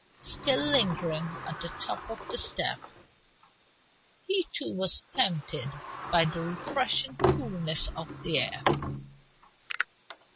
Still lingering at the top of the steps, he too was tempted by the refreshing coolness of the air.